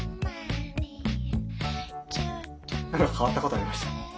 何か変わったことありました？